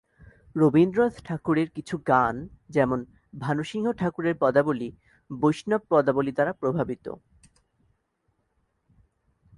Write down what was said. রবীন্দ্রনাথ ঠাকুরের কিছু গান যেমন-'ভানুসিংহ ঠাকুরের পদাবলী' বৈষ্ণব পদাবলী দ্বারা প্রভাবিত।